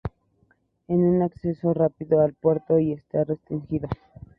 Es un acceso rápido al puerto y está restringido.